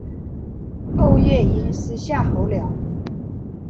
欧夜鹰是夏候鸟。